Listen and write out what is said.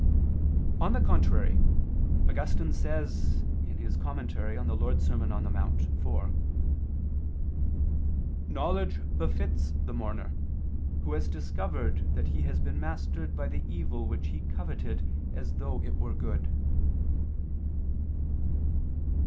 On the contrary, Augustine says (De Serm. Dom. in Monte iv): "Knowledge befits the mourner, who has discovered that he has been mastered by the evil which he coveted as though it were good."